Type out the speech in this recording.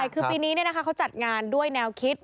คือปีนี้เขาจัดงานด้วยแนวคิด